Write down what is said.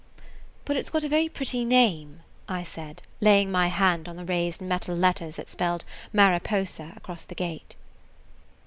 "But it 's got a very pretty name," I said, laying my hand on the raised metal letters that spelled "Mariposa" across the gate.